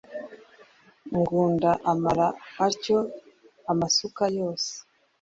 Ngunda amara atyo amasuka yose,